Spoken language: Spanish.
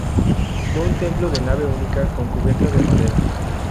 Fue un templo de nave única con cubierta de madera.